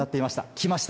来ました。